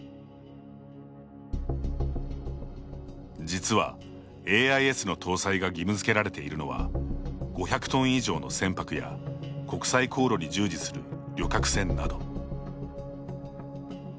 実は、ＡＩＳの搭載が義務づけられているのは５００トン以上の船舶や国際航路に従事する旅客船など。